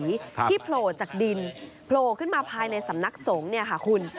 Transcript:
ครับที่โผล่จากดินโผล่ขึ้นมาภายในสำนักสงฆ์เนี่ยค่ะคุณ